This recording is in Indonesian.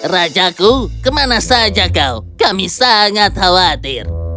rajaku kemana saja kau kami sangat khawatir